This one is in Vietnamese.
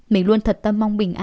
mình luôn thật tâm mong bình thường